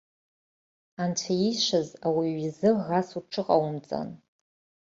Анцәа иишаз ауаҩы изы ӷас уҽыҟаумҵан.